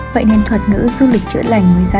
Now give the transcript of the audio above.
vậy nên thuật ngữ du lịch chữa lành mới ra